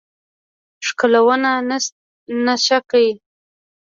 ښکلونه شنه کړي